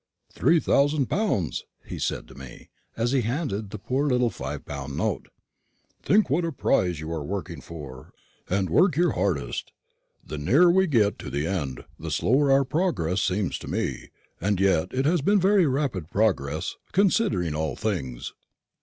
"Three thousand pounds!" he said to me, as he handed me the poor little five pound note; "think what a prize you are working for, and work your hardest. The nearer we get to the end, the slower our progress seems to me; and yet it has been very rapid progress, considering all things."